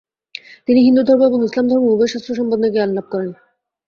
তিনি হিন্দুধর্ম এবং ইসলামধর্ম উভয় শাস্ত্র সম্পর্কে জ্ঞান লাভ করেন।